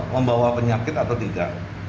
membawa penyakit atau tidak